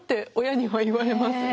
親には言われますね。